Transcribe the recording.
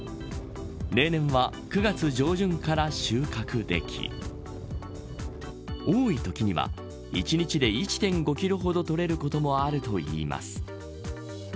例年は９月上旬から収穫でき多いときには１日で１．５キロほど採れることもあるといいます。